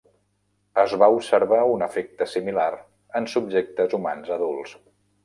Es va observar un efecte similar en subjectes humans adults.